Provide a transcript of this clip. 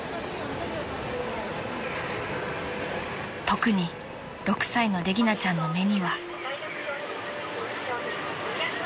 ［特に６歳のレギナちゃんの目には］